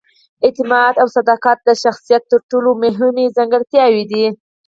اعتماد او صداقت د شخصیت تر ټولو مهمې ځانګړتیاوې دي.